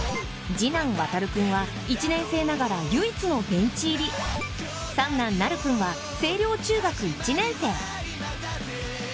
次男・航君は１年生ながら唯一のベンチ入り三男・成君は星稜中学１年生！